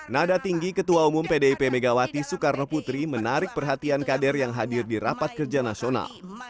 nada tinggi ketua umum pdip megawati soekarno putri menarik perhatian kader yang hadir di rapat kerja nasional